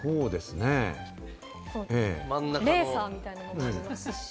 レーサーみたいなのもあります。